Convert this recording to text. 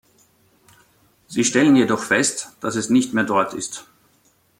Sie stellen jedoch fest, dass es nicht mehr dort ist.